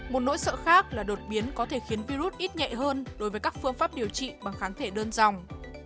một nỗi sợ khác là đột biến có thể khiến virus ít nhẹ hơn đối với các phương pháp điều trị bằng kháng thể đơn dòng